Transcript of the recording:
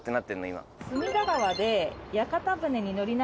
今。